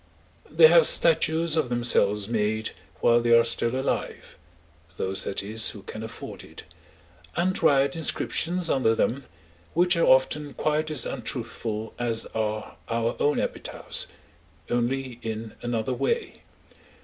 They have statues of themselves made while they are still alive (those, that is, who can afford it), and write inscriptions under them, which are often quite as untruthful as are our own epitaphs—only in another way.